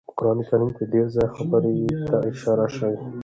په قران کريم کي ډير ځايه دې خبرې ته اشاره شوي